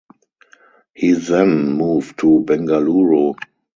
He then moved to Bengaluru.